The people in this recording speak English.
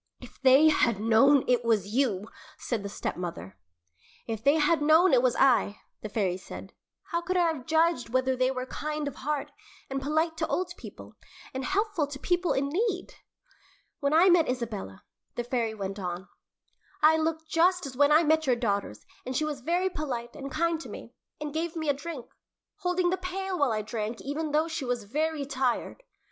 "If they had known it was you " said the stepmother. "If they had known it was I," the fairy said, "how could I have judged whether they were kind of heart, and polite to old people, and helpful to people in need?" "When I met Isabella," the fairy went on, "I looked just as when I met your daughters, and she was very polite and kind to me, and gave me a drink, holding the pail while I drank, even though she was very tired.